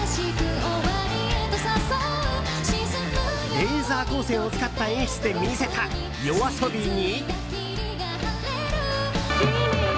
レーザー光線を使った演出で見せたＹＯＡＳＯＢＩに。